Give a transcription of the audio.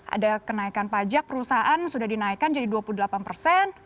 ada kenaikan pajak perusahaan sudah dinaikkan jadi dua puluh delapan persen